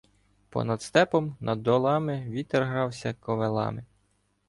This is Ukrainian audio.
Понад степом над долами Вітер грався ковилами